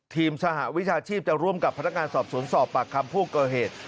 สหวิชาชีพจะร่วมกับพนักงานสอบสวนสอบปากคำผู้ก่อเหตุ